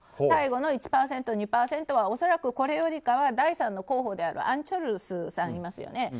最後の１％、２％は恐らくこれよりかは第３の候補であるアン・チョルスさんがいますよね。